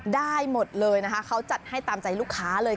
ได้หมดเลยนะคะเขาจัดให้ตามใจลูกค้าเลย